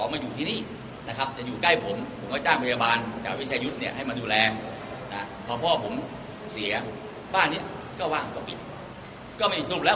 มันอยู่แรงนะพอพ่อผมเสียบ้านเนี้ยก็ว่างกับอีกก็ไม่ถูกแล้ว